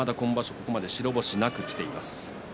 ここまで白星なくきています。